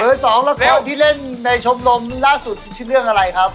สองแล้วที่เล่นในชมรมล่าสุดชื่อเรื่องอะไรครับ